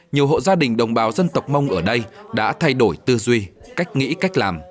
nhiều hộ gia đình đồng bào dân tộc mông ở đây đã thay đổi tư duy cách nghĩ cách làm